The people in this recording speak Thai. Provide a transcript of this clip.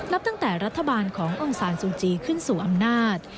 ตั้งแต่รัฐบาลขององศาลซูจีขึ้นสู่อำนาจ